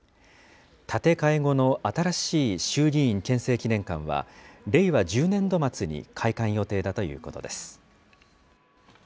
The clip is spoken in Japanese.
建て替え後の新しい衆議院憲政記念館は、令和１０年度末に開館予定だということです。